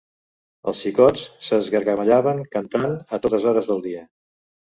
Els xicots s'esgargamellaven cantant, a totes hores del dia